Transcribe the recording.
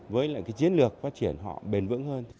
với lại cái chiến lược phát triển